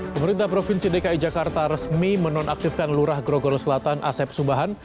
pemerintah provinsi dki jakarta resmi menonaktifkan lurah grogoro selatan asep sumbahan